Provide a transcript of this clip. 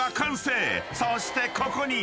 ［そしてここに］